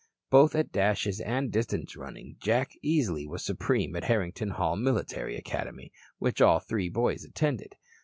Both at dashes and distance running Jack easily was supreme at Harrington Hall Military Academy, which all three boys attended.